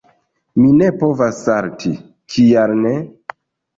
Mi ne povas salti. Kial ne?